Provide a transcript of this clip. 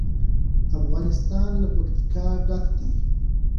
افغانستان له پکتیکا ډک دی.